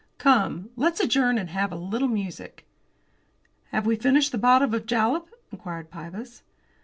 "Come, let's adjourn and have a little music." "Have we finished the bottle of jalap?" inquired Pybus.